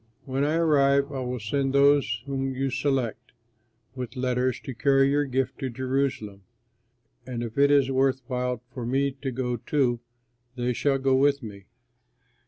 When I arrive I will send those whom you select, with letters, to carry your gift to Jerusalem, and if it is worth while for me to go too, they shall go with me.